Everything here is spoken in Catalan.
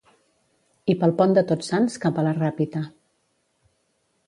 I pel pont de tots sants cap a la Ràpita